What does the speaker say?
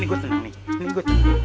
nih gua tenang nih